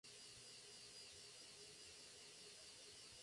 Apoyándose en ellos, combina la constelación de gravedad con la de iluminación.